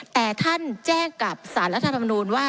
แต่ท่านแจ้งกับสารรัฐธรรมนูญว่า